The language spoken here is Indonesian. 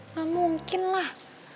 gak mungkin lah